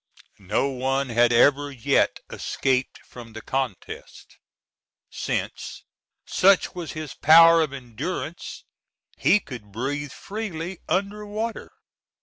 No one had ever yet escaped from the contest, since, such was his power of endurance, he could breathe freely under water.